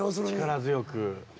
力強く。